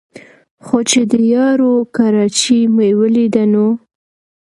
خو چې د یارو کراچۍ مې ولېده نو